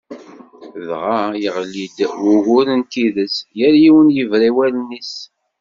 Dɣa yeɣli-d wugur n tidet, yal yiwen yebra i wallen-is.